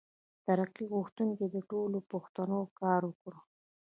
ترقي غوښتونکي ټولواک پښتو ته کار وکړ.